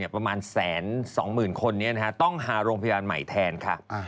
ประมาณแสนสองหมื่นคนต้องหารโรงพยาบาลใหม่แทนค่ะ